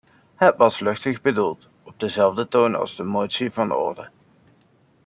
Het was luchtig bedoeld, op dezelfde toon als de motie van orde.